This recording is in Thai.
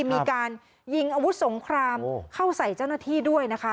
มีการยิงอาวุธสงครามเข้าใส่เจ้าหน้าที่ด้วยนะคะ